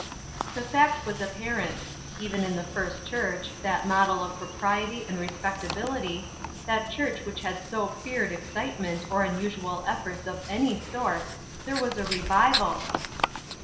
The fact was apparent. Even in the First Church, that model of propriety and respectability, that church which had so feared excitement or unusual efforts of any sort, there was a revival!